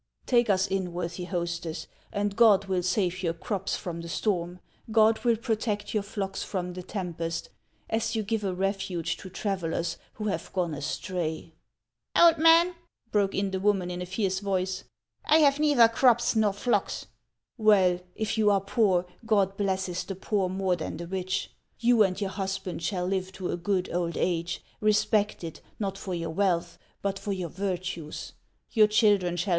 Take us in, worthy hostess, and God will save your crops from the storm, God will protect your flocks from the tem pest, as you give a refuge to travellers who have gone astray !"" Old man," broke in the woman in a fierce voice, " I have neither crops nor flocks." " "Well, if you are poor, God blesses the poor more than the rich. You and your husband shall live to a good old age, respected, not for your wealth, but for your virtues ; your children shall